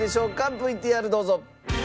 ＶＴＲどうぞ。